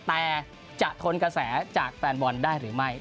แต่จะทนกระแสจากแฟนบอลได้หรือไม่